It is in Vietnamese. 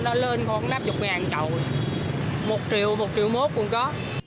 nó lên có năm mươi trậu một triệu một triệu mốt cũng có